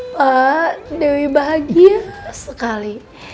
pak dewi bahagia sekali